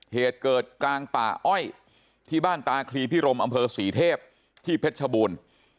เหตุเกิดกลางป่าอ้อยที่บ้านตาคลีพิรมอำเภอศรีเทพที่เพชรชบูรณ์